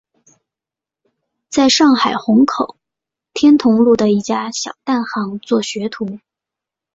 在上海虹口天潼路的一家小蛋行做学徒。